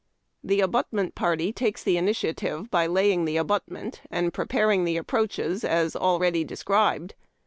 The abutment party takes the initiative, by laying the abutment, and })re[)aring the approaches as already described.